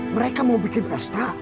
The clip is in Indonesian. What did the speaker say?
mereka mau bikin pesta